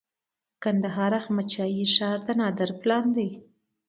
د کندهار احمد شاهي ښار د نادر پلان دی